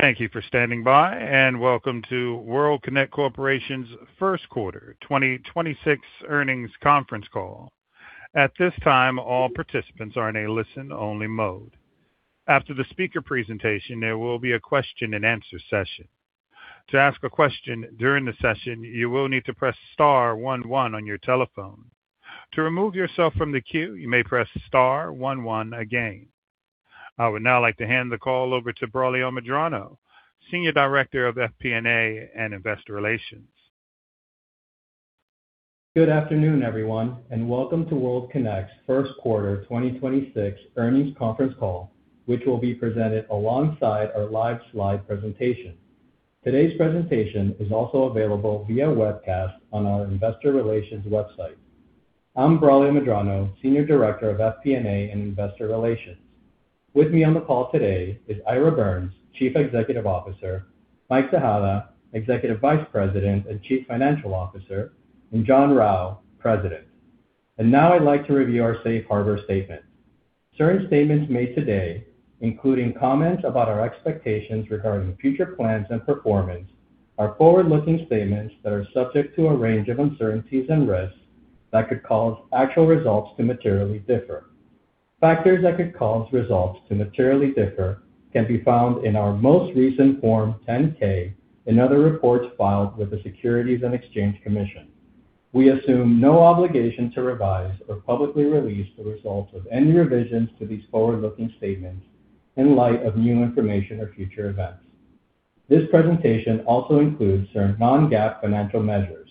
Thank you for standing by, and welcome to World Kinect Corporation's first quarter 2026 earnings conference call. At this time, all participants are in a listen-only mode. After the speaker presentation, there will be a question and answer session. To ask a question during the session, you will need to press star one one on your telephone. To remove yourself from the queue, you may press star one one again. I would now like to hand the call over to Braulio Medrano, Senior Director of FP&A and Investor Relations. Good afternoon, everyone, and welcome to World Kinect's first quarter 2026 earnings conference call, which will be presented alongside our live slide presentation. Today's presentation is also available via webcast on our investor relations website. I'm Braulio Medrano, Senior Director of FP&A and Investor Relations. With me on the call today is Ira Birns, Chief Executive Officer, Mike Tejada, Executive Vice President and Chief Financial Officer, and John Rau, President. Now I'd like to review our safe harbor statement. Certain statements made today, including comments about our expectations regarding future plans and performance, are forward-looking statements that are subject to a range of uncertainties and risks that could cause actual results to materially differ. Factors that could cause results to materially differ can be found in our most recent Form 10-K and other reports filed with the Securities and Exchange Commission. We assume no obligation to revise or publicly release the results of any revisions to these forward-looking statements in light of new information or future events. This presentation also includes certain non-GAAP financial measures.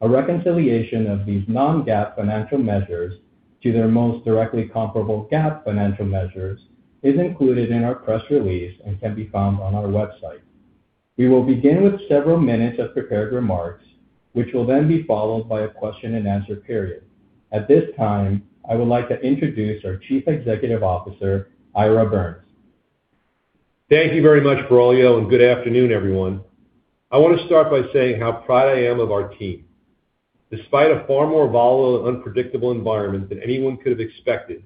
A reconciliation of these non-GAAP financial measures to their most directly comparable GAAP financial measures is included in our press release and can be found on our website. We will begin with several minutes of prepared remarks, which will then be followed by a question and answer period. At this time, I would like to introduce our Chief Executive Officer, Ira Birns. Thank you very much, Braulio, and good afternoon, everyone. I want to start by saying how proud I am of our team. Despite a far more volatile and unpredictable environment than anyone could have expected,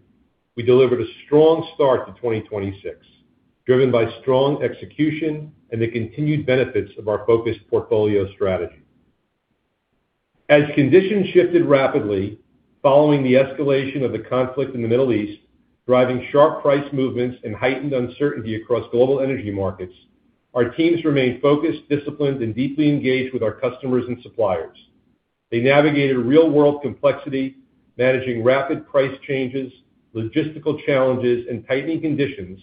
we delivered a strong start to 2026, driven by strong execution and the continued benefits of our focused portfolio strategy. As conditions shifted rapidly following the escalation of the conflict in the Middle East, driving sharp price movements and heightened uncertainty across global energy markets, our teams remained focused, disciplined, and deeply engaged with our customers and suppliers. They navigated real-world complexity, managing rapid price changes, logistical challenges, and tightening conditions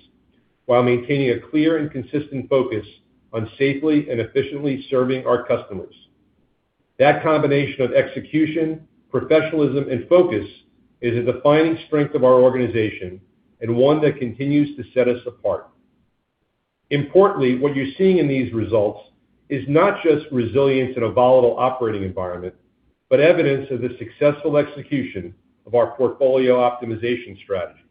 while maintaining a clear and consistent focus on safely and efficiently serving our customers. That combination of execution, professionalism, and focus is a defining strength of our organization and one that continues to set us apart. Importantly, what you're seeing in these results is not just resilience in a volatile operating environment, but evidence of the successful execution of our portfolio optimization strategy.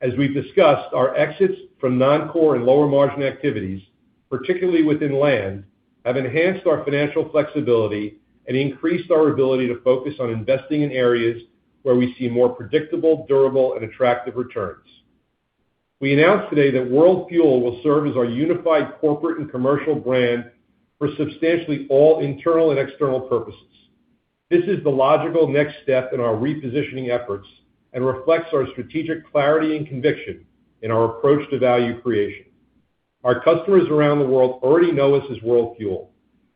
As we've discussed, our exits from non-core and lower-margin activities, particularly within land, have enhanced our financial flexibility and increased our ability to focus on investing in areas where we see more predictable, durable, and attractive returns. We announced today that World Fuel will serve as our unified corporate and commercial brand for substantially all internal and external purposes. This is the logical next step in our repositioning efforts and reflects our strategic clarity and conviction in our approach to value creation. Our customers around the world already know us as World Fuel,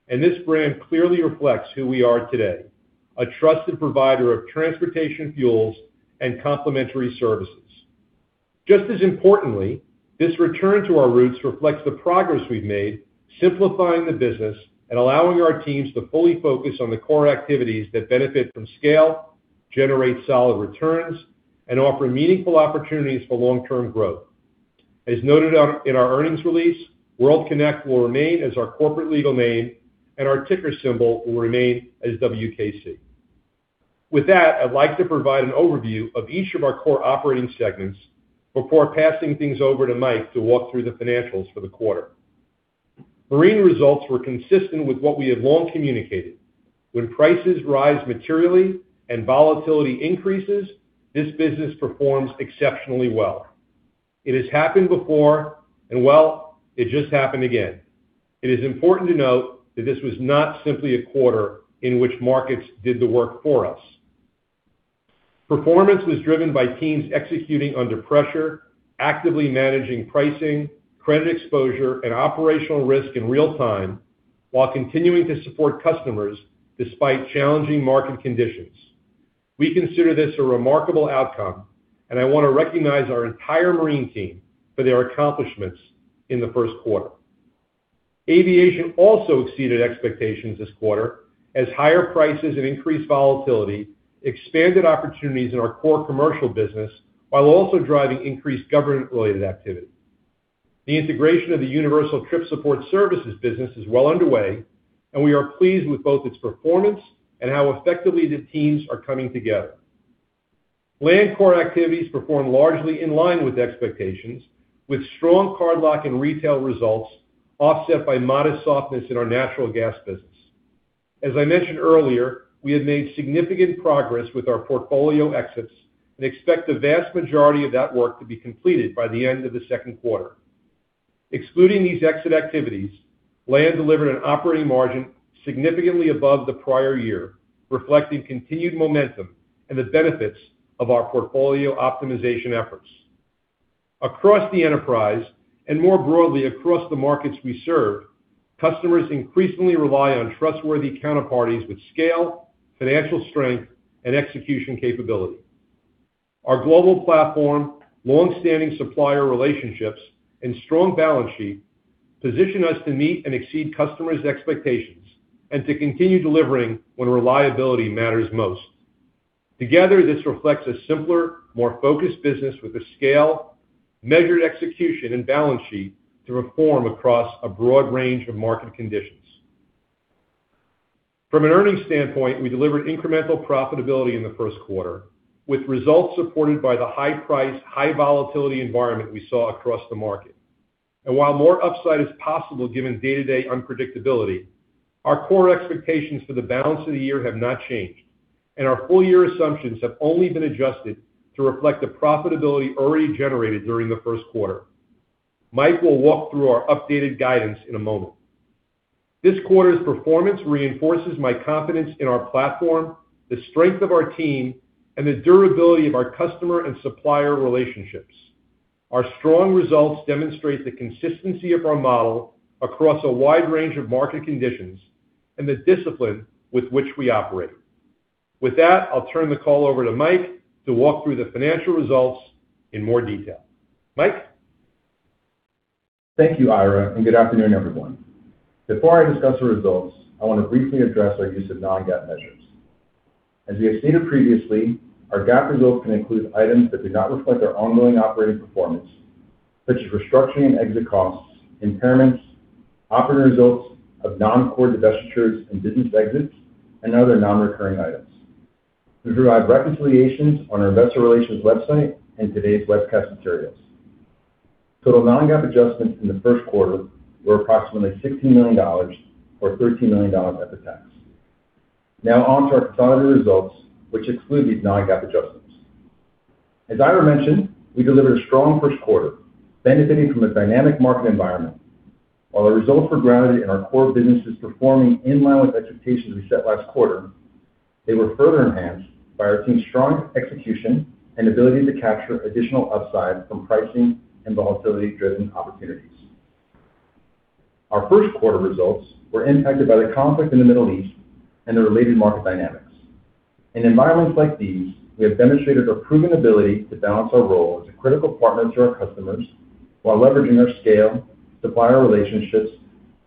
and this brand clearly reflects who we are today, a trusted provider of transportation fuels and complementary services. Just as importantly, this return to our roots reflects the progress we've made simplifying the business and allowing our teams to fully focus on the core activities that benefit from scale, generate solid returns, and offer meaningful opportunities for long-term growth. As noted in our earnings release, World Kinect will remain as our corporate legal name, and our ticker symbol will remain as WKC. With that, I'd like to provide an overview of each of our core operating segments before passing things over to Mike to walk through the financials for the quarter. Marine results were consistent with what we have long communicated. When prices rise materially and volatility increases, this business performs exceptionally well. It has happened before, and well, it just happened again. It is important to note that this was not simply a quarter in which markets did the work for us. Performance was driven by teams executing under pressure, actively managing pricing, credit exposure, and operational risk in real time while continuing to support customers despite challenging market conditions. We consider this a remarkable outcome, and I want to recognize our entire marine team for their accomplishments in the first quarter. Aviation also exceeded expectations this quarter as higher prices and increased volatility expanded opportunities in our core commercial business while also driving increased government-related activity. The integration of the Universal Trip Support Services business is well underway, and we are pleased with both its performance and how effectively the teams are coming together. Land core activities performed largely in line with expectations, with strong cardlock and retail results offset by modest softness in our natural gas business. As I mentioned earlier, we have made significant progress with our portfolio exits and expect the vast majority of that work to be completed by the end of the second quarter. Excluding these exit activities, land delivered an operating margin significantly above the prior year, reflecting continued momentum and the benefits of our portfolio optimization efforts. Across the enterprise, and more broadly across the markets we serve, customers increasingly rely on trustworthy counterparties with scale, financial strength, and execution capability. Our global platform, longstanding supplier relationships, and strong balance sheet position us to meet and exceed customers' expectations and to continue delivering when reliability matters most. Together, this reflects a simpler, more focused business with the scale, measured execution, and balance sheet to perform across a broad range of market conditions. From an earnings standpoint, we delivered incremental profitability in the first quarter, with results supported by the high price, high volatility environment we saw across the market. While more upside is possible given day-to-day unpredictability, our core expectations for the balance of the year have not changed, and our full year assumptions have only been adjusted to reflect the profitability already generated during the first quarter. Mike will walk through our updated guidance in a moment. This quarter's performance reinforces my confidence in our platform, the strength of our team, and the durability of our customer and supplier relationships. Our strong results demonstrate the consistency of our model across a wide range of market conditions and the discipline with which we operate. With that, I'll turn the call over to Mike to walk through the financial results in more detail. Mike? Thank you, Ira, and good afternoon, everyone. Before I discuss the results, I want to briefly address our use of non-GAAP measures. As we have stated previously, our GAAP results can include items that do not reflect our ongoing operating performance, such as restructuring and exit costs, impairments, operating results of non-core divestitures and business exits, and other non-recurring items. We provide reconciliations on our investor relations website and today's webcast materials. Total non-GAAP adjustments in the first quarter were approximately $16 million, or $13 million after tax. Now on to our consolidated results, which exclude these non-GAAP adjustments. As Ira mentioned, we delivered a strong first quarter, benefiting from a dynamic market environment. While our results were grounded in our core businesses performing in line with expectations we set last quarter, they were further enhanced by our team's strong execution and ability to capture additional upside from pricing and volatility-driven opportunities. Our first quarter results were impacted by the conflict in the Middle East and the related market dynamics. In environments like these, we have demonstrated a proven ability to balance our role as a critical partner to our customers while leveraging our scale, supplier relationships,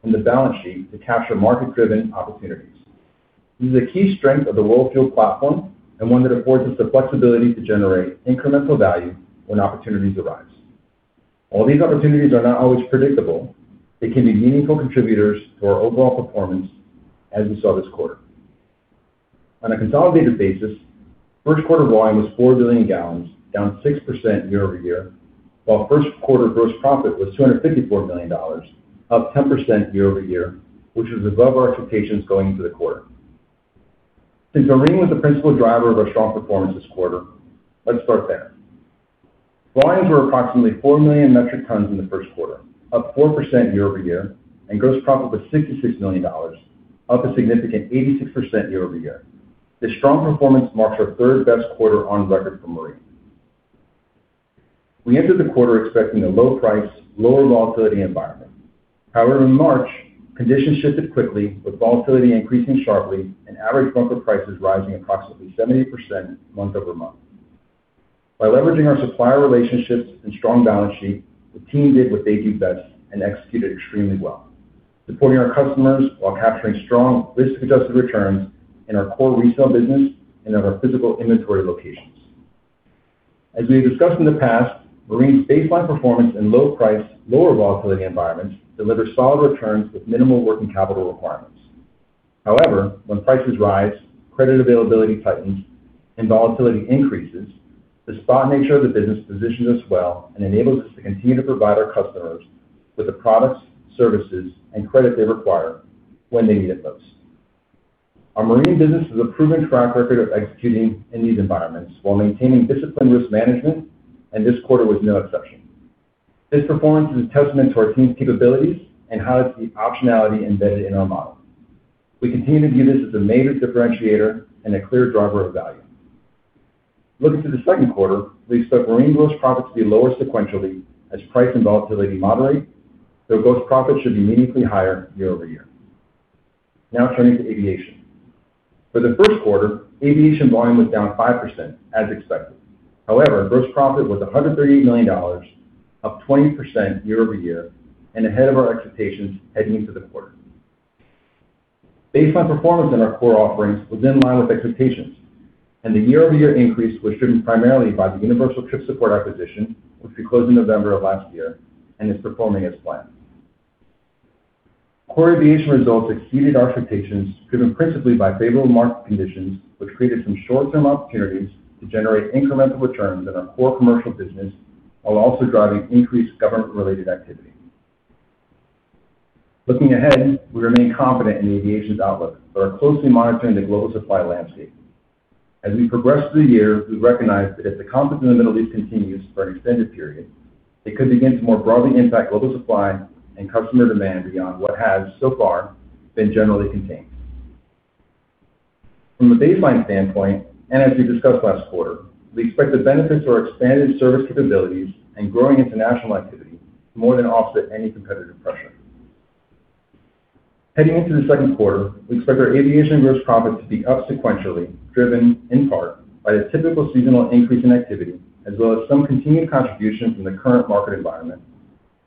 and the balance sheet to capture market-driven opportunities. This is a key strength of the World Fuel platform and one that affords us the flexibility to generate incremental value when opportunities arise. While these opportunities are not always predictable, they can be meaningful contributors to our overall performance as we saw this quarter. On a consolidated basis, first quarter volume was 4 billion gallons, down 6% year-over-year. While first quarter gross profit was $254 million, up 10% year-over-year, which was above our expectations going into the quarter. Since marine was the principal driver of our strong performance this quarter, let's start there. Volumes were approximately 4 million metric tons in the first quarter, up 4% year-over-year, and gross profit was $66 million, up a significant 86% year-over-year. This strong performance marks our third-best quarter on record for marine. We entered the quarter expecting a low price, lower volatility environment. However, in March, conditions shifted quickly, with volatility increasing sharply and average bunker prices rising approximately 70% month-over-month. By leveraging our supplier relationships and strong balance sheet, the team did what they do best and executed extremely well, supporting our customers while capturing strong risk-adjusted returns in our core resale business and at our physical inventory locations. As we have discussed in the past, Marine's baseline performance in low price, lower volatility environments deliver solid returns with minimal working capital requirements. However, when prices rise, credit availability tightens, and volatility increases, the spot nature of the business positions us well and enables us to continue to provide our customers with the products, services, and credit they require when they need it most. Our Marine business has a proven track record of executing in these environments while maintaining disciplined risk management, and this quarter was no exception. This performance is a testament to our team's capabilities and highlights the optionality embedded in our model. We continue to view this as a major differentiator and a clear driver of value. Looking to the second quarter, we expect marine gross profit to be lower sequentially as price and volatility moderate, though gross profit should be meaningfully higher year-over-year. Now turning to aviation. For the first quarter, aviation volume was down 5%, as expected. However, gross profit was $138 million, up 20% year-over-year, and ahead of our expectations heading into the quarter. Baseline performance in our core offerings was in line with expectations, and the year-over-year increase was driven primarily by the Universal Trip Support acquisition, which we closed in November of last year and is performing as planned. Core aviation results exceeded our expectations, driven principally by favorable market conditions, which created some short-term opportunities to generate incremental returns in our core commercial business, while also driving increased government-related activity. Looking ahead, we remain confident in the aviation's outlook but are closely monitoring the global supply landscape. As we progress through the year, we recognize that if the conflict in the Middle East continues for an extended period, it could begin to more broadly impact global supply and customer demand beyond what has so far been generally contained. From a baseline standpoint, and as we discussed last quarter, we expect the benefits of our expanded service capabilities and growing international activity to more than offset any competitive pressure. Heading into the second quarter, we expect our aviation gross profit to be up sequentially, driven in part by the typical seasonal increase in activity, as well as some continued contribution from the current market environment,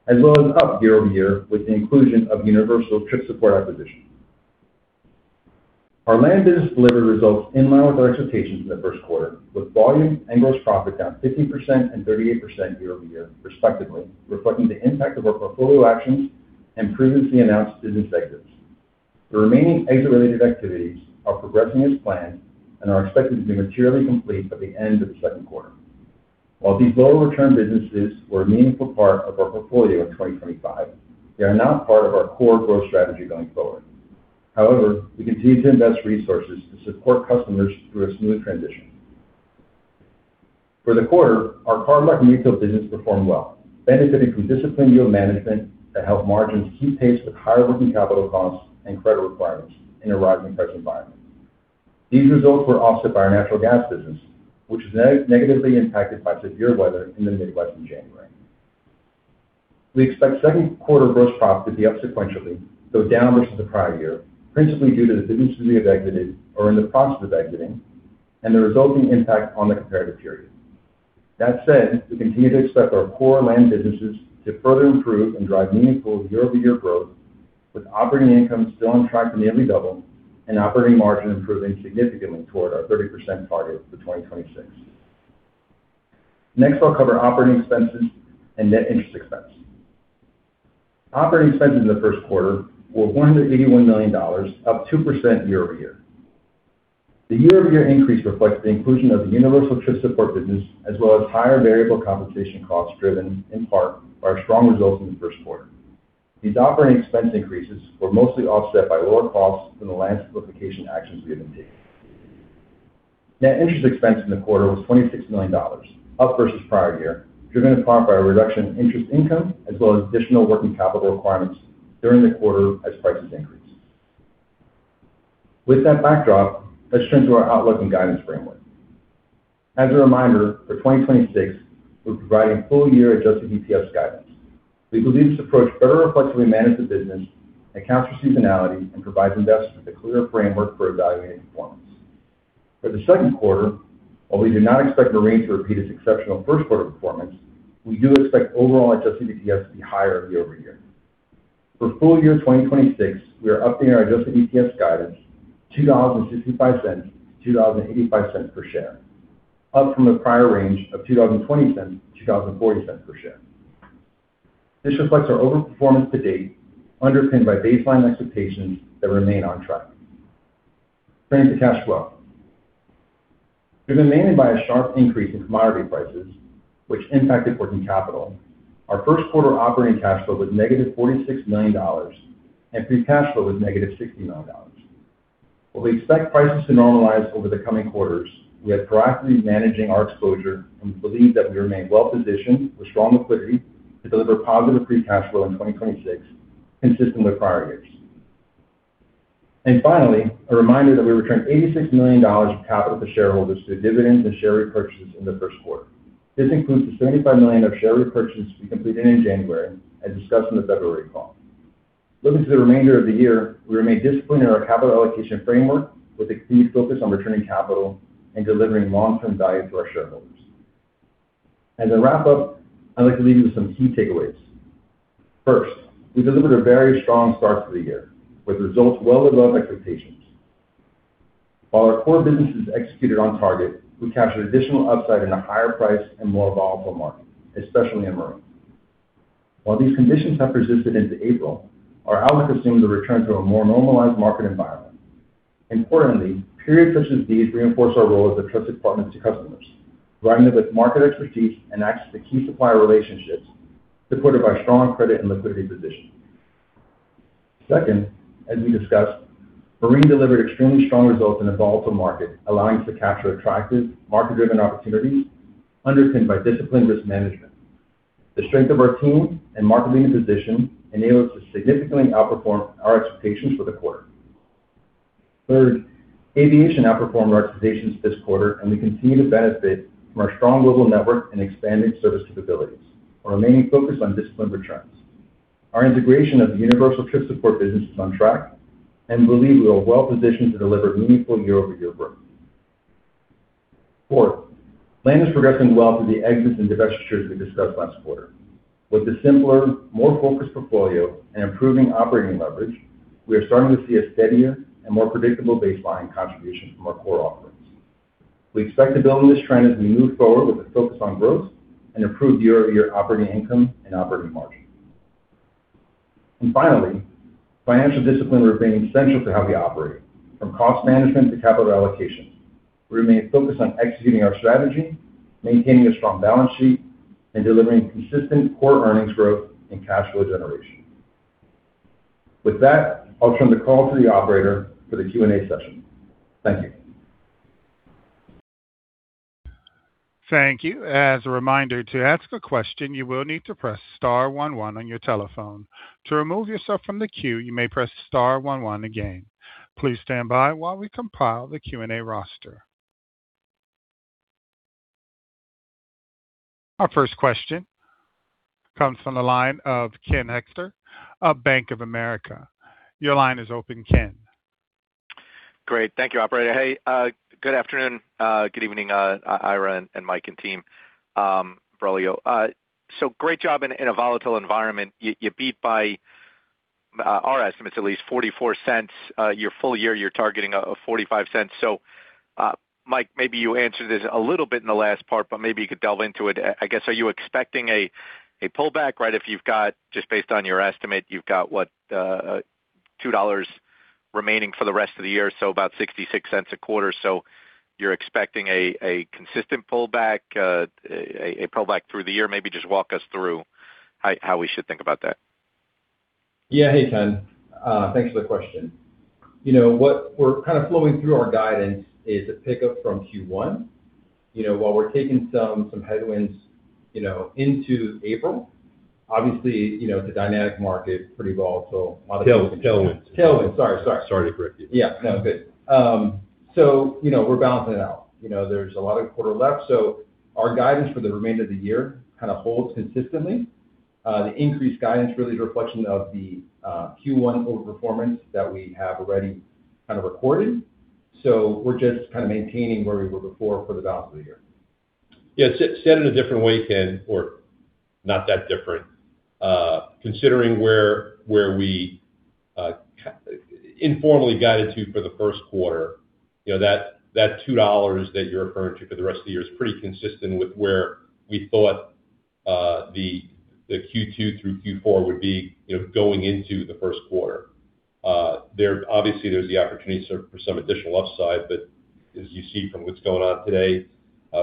as well as up year-over-year with the inclusion of Universal Trip Support acquisition. Our land business delivered results in line with our expectations in the first quarter, with volume and gross profit down 15% and 38% year-over-year, respectively, reflecting the impact of our portfolio actions and previously announced business exits. The remaining exit-related activities are progressing as planned and are expected to be materially complete by the end of the second quarter. While these low-return businesses were a meaningful part of our portfolio in 2025, they are not part of our core growth strategy going forward. However, we continue to invest resources to support customers through a smooth transition. For the quarter, our car, truck, and utility business performed well, benefiting from disciplined yield management that helped margins keep pace with higher working capital costs and credit requirements in a rising interest environment. These results were offset by our natural gas business, which was negatively impacted by severe weather in the Midwest in January. We expect second quarter gross profit to be up sequentially, though down versus the prior year, principally due to the businesses we have exited or in the process of exiting, and the resulting impact on the comparative period. That said, we continue to expect our core land businesses to further improve and drive meaningful year-over-year growth, with operating income still on track to nearly double and operating margin improving significantly toward our 30% target for 2026. Next, I'll cover operating expenses and net interest expense. Operating expenses in the first quarter were $181 million, up 2% year-over-year. The year-over-year increase reflects the inclusion of the Universal Trip Support business, as well as higher variable compensation costs driven in part by our strong results in the first quarter. These operating expense increases were mostly offset by lower costs from the land simplification actions we have undertaken. Net interest expense in the quarter was $26 million, up versus prior year, driven in part by a reduction in interest income as well as additional working capital requirements during the quarter as prices increased. With that backdrop, let's turn to our outlook and guidance framework. As a reminder, for 2026, we're providing full-year adjusted EPS guidance. We believe this approach better reflects how we manage the business, accounts for seasonality, and provides investors with a clearer framework for evaluating performance. For the second quarter, while we do not expect Marine to repeat its exceptional first quarter performance, we do expect overall adjusted EPS to be higher year-over-year. For full year 2026, we are updating our adjusted EPS guidance $2.65-$2.85 per share, up from the prior range of $2.20-$2.40 per share. This reflects our overperformance to date, underpinned by baseline expectations that remain on track. Turning to cash flow. Driven mainly by a sharp increase in commodity prices, which impacted working capital, our first quarter operating cash flow was -$46 million, and free cash flow was -$60 million. While we expect prices to normalize over the coming quarters, we are proactively managing our exposure and believe that we remain well-positioned with strong liquidity to deliver positive free cash flow in 2026, consistent with prior years. Finally, a reminder that we returned $86 million of capital to shareholders through dividends and share repurchases in the first quarter. This includes the $75 million of share repurchase we completed in January, as discussed on the February call. Looking to the remainder of the year, we remain disciplined in our capital allocation framework with a key focus on returning capital and delivering long-term value to our shareholders. As I wrap up, I'd like to leave you with some key takeaways. First, we delivered a very strong start to the year with results well above expectations. While our core businesses executed on target, we captured additional upside in a higher price and more volatile market, especially in Marine. While these conditions have persisted into April, our outlook assumes a return to a more normalized market environment. Importantly, periods such as these reinforce our role as a trusted partner to customers, providing them with market expertise and access to key supplier relationships, supported by strong credit and liquidity position. Second, as we discussed, Marine delivered extremely strong results in a volatile market, allowing us to capture attractive market-driven opportunities underpinned by disciplined risk management. The strength of our team and market-leading position enable us to significantly outperform our expectations for the quarter. Third, Aviation outperformed our expectations this quarter, and we continue to benefit from our strong global network and expanding service capabilities while remaining focused on disciplined returns. Our integration of the Universal Trip Support business is on track, and we believe we are well positioned to deliver meaningful year-over-year growth. Fourth, Land is progressing well through the exits and divestitures we discussed last quarter. With a simpler, more focused portfolio and improving operating leverage, we are starting to see a steadier and more predictable baseline contribution from our core offerings. We expect to build on this trend as we move forward with a focus on growth and improve year-over-year operating income and operating margin. Finally, financial discipline will remain central to how we operate, from cost management to capital allocation. We remain focused on executing our strategy, maintaining a strong balance sheet, and delivering consistent core earnings growth and cash flow generation. With that, I'll turn the call to the operator for the Q&A session. Thank you. Thank you. As a reminder, to ask a question, you will need to press star one one on your telephone. To remove yourself from the queue, you may press star one one again. Please stand by while we compile the Q&A roster. Our first question comes from the line of Ken Hoexter of Bank of America. Your line is open, Ken. Great. Thank you, operator. Hey, good afternoon, good evening, Ira and Mike and team, Braulio. Great job in a volatile environment. You beat our estimates by at least $0.44. Your full year, you're targeting $0.45. Mike, maybe you answered this a little bit in the last part, but maybe you could delve into it. I guess, are you expecting a pullback, right? If you've got, just based on your estimate, you've got what, $2 remaining for the rest of the year, so about $0.66 a quarter. You're expecting a consistent pullback, a pullback through the year? Maybe just walk us through how we should think about that. Yeah. Hey, Ken. Thanks for the question. What we're kind of flowing through our guidance is a pickup from Q1. While we're taking some headwinds into April, obviously, it's a dynamic market, pretty volatile. Tailwinds. Tailwinds. Sorry. Sorry to correct you. Yeah, no, good. We're balancing it out. There's a lot of quarter left. Our guidance for the remainder of the year kind of holds consistently. The increased guidance really is a reflection of the Q1 overperformance that we have already kind of recorded. We're just kind of maintaining where we were before for the balance of the year. Yeah, said in a different way, Ken, or not that different. Considering where we informally guided you for the first quarter, that $2 that you're referring to for the rest of the year is pretty consistent with where we thought the Q2 through Q4 would be going into the first quarter. Obviously, there's the opportunity for some additional upside, but as you see from what's going on today,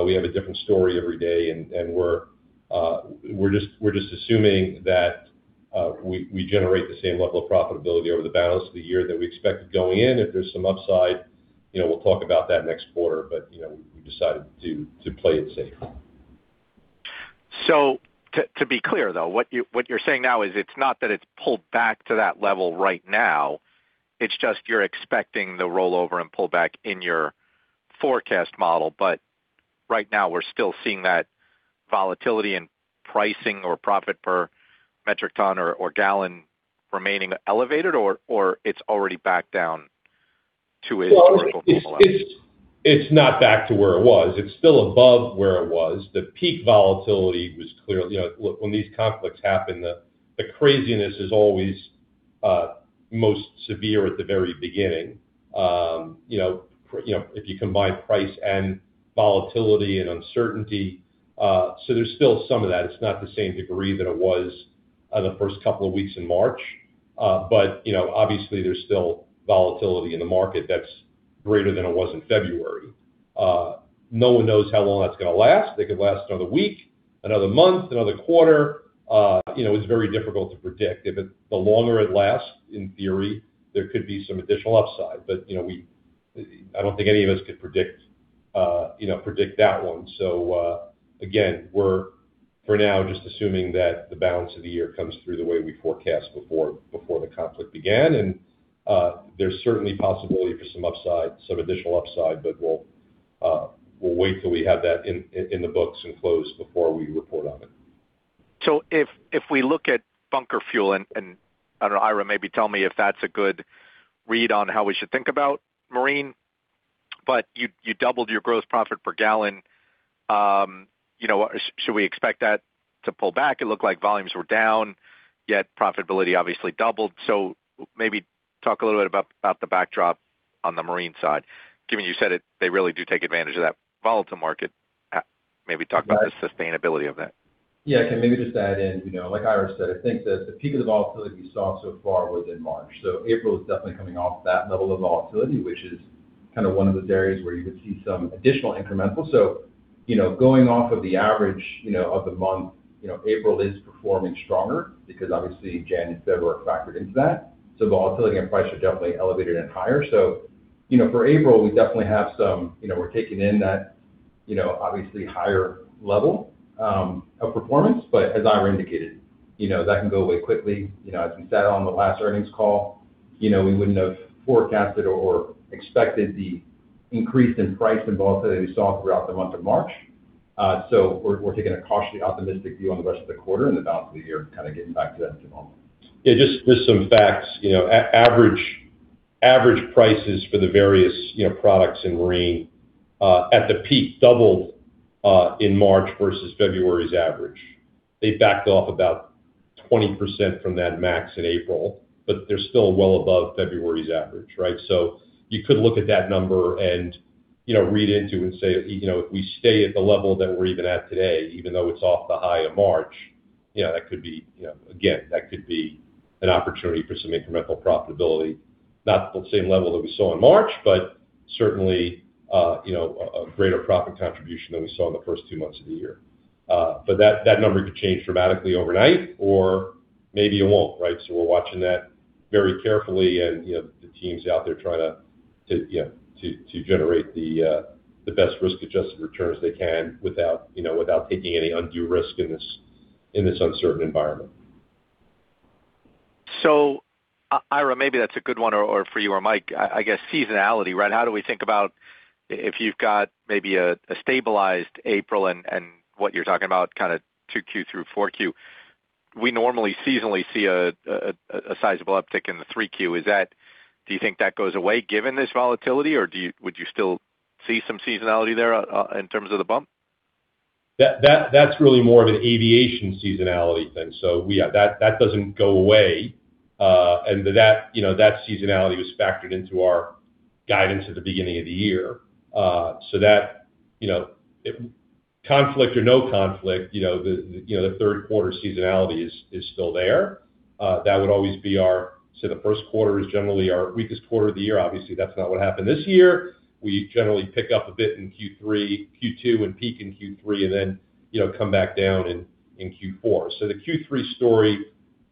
we have a different story every day, and we're just assuming that we generate the same level of profitability over the balance of the year that we expected going in. If there's some upside, we'll talk about that next quarter. We decided to play it safe. To be clear, though, what you're saying now is it's not that it's pulled back to that level right now, it's just you're expecting the rollover and pullback in your forecast model. Right now, we're still seeing that volatility in pricing or profit per metric ton or gallon remaining elevated? Or it's already backed down to its historical level? It's not back to where it was. It's still above where it was. The peak volatility was clear. Look, when these conflicts happen, the craziness is always most severe at the very beginning if you combine price and volatility and uncertainty. There's still some of that. It's not the same degree that it was the first couple of weeks in March. Obviously, there's still volatility in the market that's greater than it was in February. No one knows how long that's going to last. It could last another week, another month, another quarter. It's very difficult to predict. The longer it lasts, in theory, there could be some additional upside, but I don't think any of us could predict that one. Again, we're for now just assuming that the balance of the year comes through the way we forecast before the conflict began, and there's certainly possibility for some upside, some additional upside, but we'll wait till we have that in the books and closed before we report on it. If we look at bunker fuel, and I don't know, Ira, maybe tell me if that's a good read on how we should think about marine. You doubled your gross profit per gallon. Should we expect that to pull back? It looked like volumes were down, yet profitability obviously doubled. Maybe talk a little bit about the backdrop on the marine side, given you said it, they really do take advantage of that volatile market. Maybe talk about the sustainability of that. Yeah. Ken, maybe just to add in, like Ira said, I think that the peak of the volatility we saw so far was in March. April is definitely coming off that level of volatility, which is kind of one of those areas where you could see some additional incremental. Going off of the average of the month, April is performing stronger because obviously January and February were factored into that. Volatility and price are definitely elevated and higher. For April, we definitely have some, we're taking in that obviously higher level of performance. As Ira indicated, that can go away quickly. As we said on the last earnings call, we wouldn't have forecasted or expected the increase in price and volatility we saw throughout the month of March. We're taking a cautiously optimistic view on the rest of the quarter and the balance of the year, kind of getting back to that normal. Yeah, just some facts. Average prices for the various products in marine at the peak doubled in March versus February's average. They backed off about 20% from that max in April, but they're still well above February's average, right? You could look at that number and read into it and say, if we stay at the level that we're even at today, even though it's off the high of March, again, that could be an opportunity for some incremental profitability. Not the same level that we saw in March, but certainly a greater profit contribution than we saw in the first two months of the year. That number could change dramatically overnight or maybe it won't, right? We're watching that very carefully and the team's out there trying to generate the best risk-adjusted returns they can without taking any undue risk in this uncertain environment. Ira, maybe that's a good one or for you or Mike. I guess seasonality, right? How do we think about if you've got maybe a stabilized April and what you're talking about kind of 2Q through 4Q. We normally seasonally see a sizable uptick in the 3Q. Do you think that goes away given this volatility or would you still see some seasonality there in terms of the bump? That's really more of an aviation seasonality thing. That doesn't go away. That seasonality was factored into our guidance at the beginning of the year. Conflict or no conflict, the third quarter seasonality is still there. That would always be our say the first quarter is generally our weakest quarter of the year. Obviously, that's not what happened this year. We generally pick up a bit in Q2 and peak in Q3, and then come back down in Q4. The Q3 story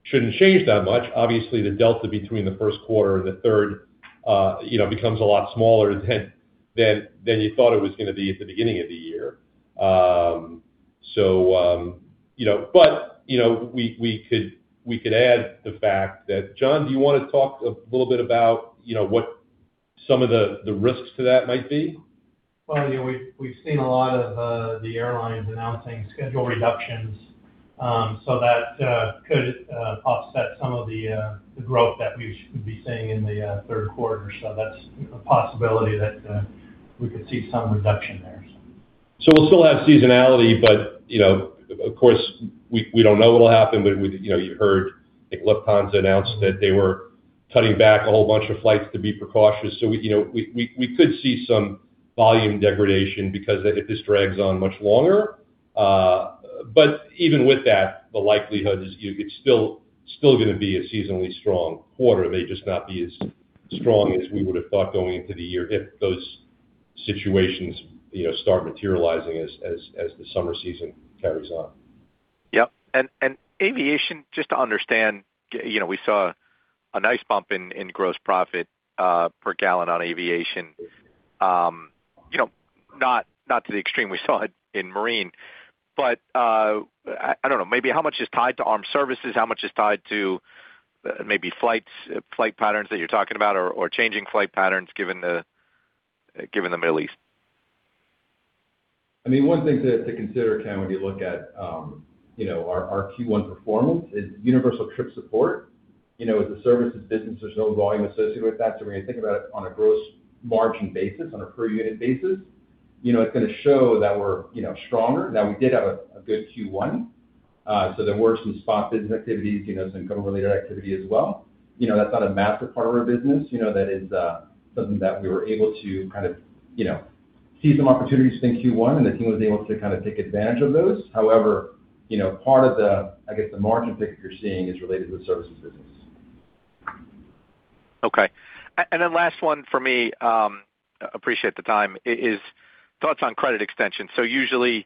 shouldn't change that much. Obviously, the delta between the first quarter and the third becomes a lot smaller than you thought it was going to be at the beginning of the year. We could add the fact that John, do you want to talk a little bit about what some of the risks to that might be? Well, we've seen a lot of the airlines announcing schedule reductions, so that could offset some of the growth that we should be seeing in the third quarter. That's a possibility that we could see some reduction there. We'll still have seasonality, but of course, we don't know what'll happen. You heard I think Lufthansa announced that they were cutting back a whole bunch of flights to be precautionary. We could see some volume degradation because if this drags on much longer. Even with that, the likelihood is it's still going to be a seasonally strong quarter. It may just not be as strong as we would've thought going into the year if those situations start materializing as the summer season carries on. Yep. Aviation, just to understand, we saw a nice bump in gross profit per gallon on aviation, not to the extreme we saw in marine. I don't know, maybe how much is tied to armed services, how much is tied to maybe flight patterns that you're talking about or changing flight patterns given the Middle East? One thing to consider, Ken, when you look at our Q1 performance is Universal Trip Support. As a services business, there's no volume associated with that. When you think about it on a gross margin basis, on a per unit basis, it's going to show that we're stronger, that we did have a good Q1. There were some spot business activities, some COVID-related activity as well. That's not a massive part of our business. That is something that we were able to kind of see some opportunities in Q1, and the team was able to kind of take advantage of those. However, part of the, I guess, the margin pickup that you're seeing is related to the services business. Okay. Last one for me, appreciate the time, is thoughts on credit extension. Usually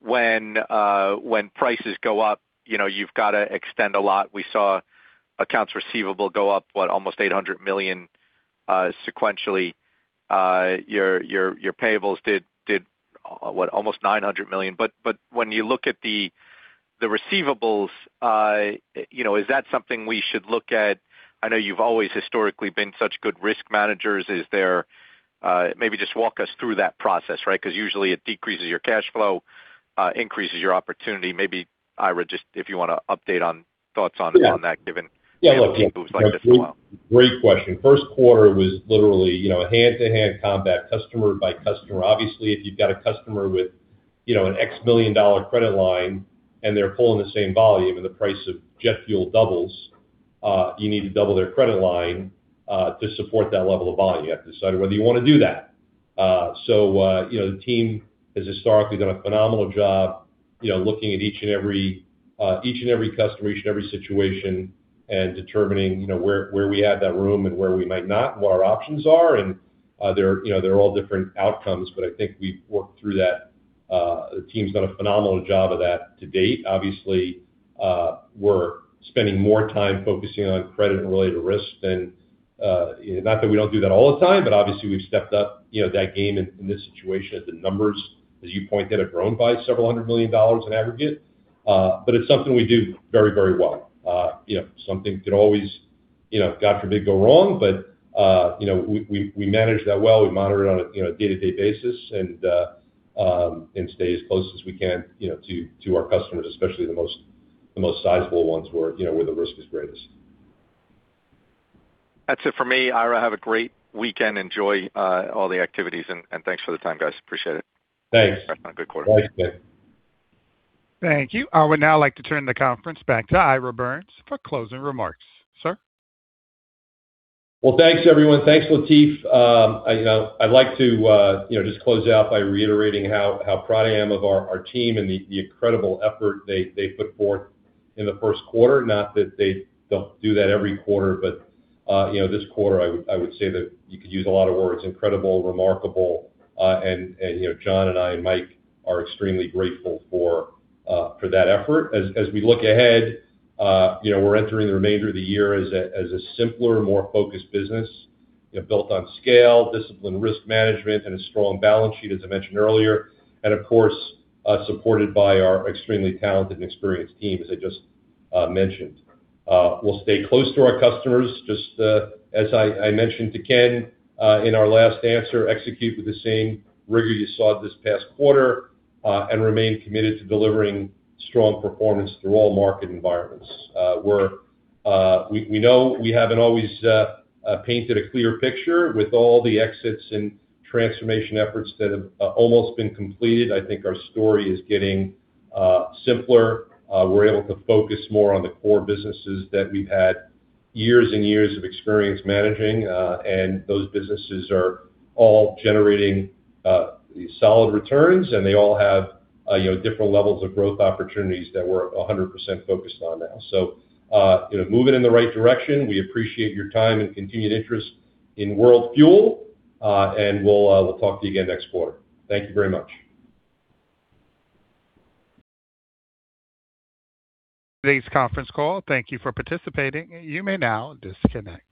when prices go up, you've got to extend a lot. We saw accounts receivable go up, what? Almost $800 million sequentially. Your payables did what? Almost $900 million. When you look at the receivables, is that something we should look at? I know you've always historically been such good risk managers. Maybe just walk us through that process, right? Because usually it decreases your cash flow, increases your opportunity. Maybe Ira, just if you want to update on thoughts on that given moves like this as well. Great question. First quarter was literally hand-to-hand combat, customer by customer. Obviously, if you've got a customer with an $X million credit line and they're pulling the same volume, and the price of jet fuel doubles, you need to double their credit line, to support that level of volume. You have to decide whether you want to do that. The team has historically done a phenomenal job looking at each and every customer, each and every situation, and determining where we have that room and where we might not, and what our options are. They're all different outcomes, but I think we've worked through that. The team's done a phenomenal job of that to date. Obviously, we're spending more time focusing on credit and related risk than. Not that we don't do that all the time, but obviously we've stepped up that game in this situation as the numbers, as you point out, have grown by several hundred million dollars in aggregate. It's something we do very well. Something could always, God forbid, go wrong, but we manage that well. We monitor it on a day-to-day basis and stay as close as we can to our customers, especially the most sizable ones where the risk is greatest. That's it for me, Ira. Have a great weekend. Enjoy all the activities and thanks for the time, guys. Appreciate it. Thanks. Have a good quarter. Thanks, Ken. Thank you. I would now like to turn the conference back to Ira Birns for closing remarks, sir. Well, thanks everyone. Thanks, Latif. I'd like to just close out by reiterating how proud I am of our team and the incredible effort they put forth in the first quarter. Not that they don't do that every quarter, but this quarter, I would say that you could use a lot of words, incredible, remarkable. John and I, and Mike are extremely grateful for that effort. As we look ahead, we're entering the remainder of the year as a simpler, more focused business built on scale, disciplined risk management, and a strong balance sheet, as I mentioned earlier. Of course, supported by our extremely talented and experienced team, as I just mentioned. We'll stay close to our customers, just as I mentioned to Ken, in our last answer, execute with the same rigor you saw this past quarter, and remain committed to delivering strong performance through all market environments. We know we haven't always painted a clear picture with all the exits and transformation efforts that have almost been completed. I think our story is getting simpler. We're able to focus more on the core businesses that we've had years and years of experience managing, and those businesses are all generating solid returns, and they all have different levels of growth opportunities that we're 100% focused on now. Moving in the right direction. We appreciate your time and continued interest in World Fuel. We'll talk to you again next quarter. Thank you very much. Today's conference call. Thank you for participating. You may now disconnect.